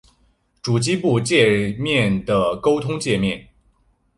主机埠介面的沟通介面。